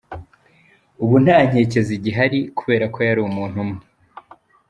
"Ubu nta nkeke zigihari kubera ko yari umuntu umwe".